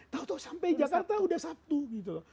tau tau sampai jakarta udah sabtu